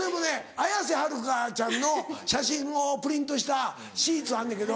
綾瀬はるかちゃんの写真をプリントしたシーツあんねんけど。